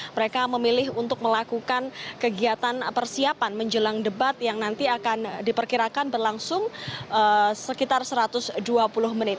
mereka memilih untuk melakukan kegiatan persiapan menjelang debat yang nanti akan diperkirakan berlangsung sekitar satu ratus dua puluh menit